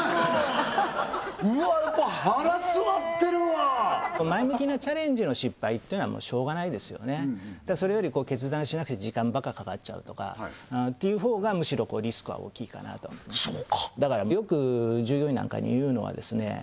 うわやっぱ腹据わってるわ前向きなチャレンジの失敗っていうのはもうしょうがないですよねそれより決断しなくて時間ばっかかかっちゃうとかっていうほうがむしろリスクは大きいかなとそうかだからよく従業員なんかに言うのはですね